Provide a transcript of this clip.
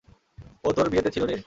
ও তোর বিয়েতে ছিলো রে!